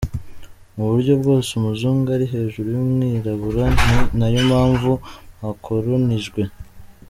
Mu buryo bwose, umuzungu ari hejuru y’umwirabura, ni nayo mpamvu mwakolonijwe.